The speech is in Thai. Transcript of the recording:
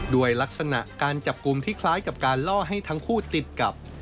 ด้วยลักษณะการจับกลุ่มที่คล้ายกับการล่อให้ทั้งคู่ติดกับ